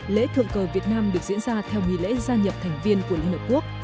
lễ thượng cờ việt nam được diễn ra theo nghị lễ gia nhập thành viên của liên hợp quốc